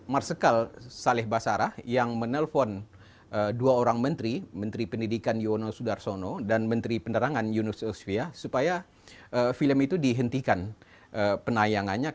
marsikal saleh basarah yang menelpon dua orang menteri menteri pendidikan yono sudarsono dan menteri penerangan yunus osvia supaya film itu dihentikan penayangannya